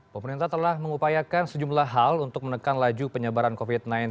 pemerintah telah mengupayakan sejumlah hal untuk menekan laju penyebaran covid sembilan belas